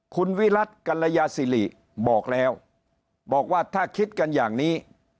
คุณวิรัติกรยาศิริบอกแล้วบอกว่าถ้าคิดกันอย่างนี้